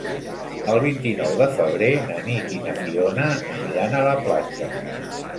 El vint-i-nou de febrer na Nit i na Fiona aniran a la platja.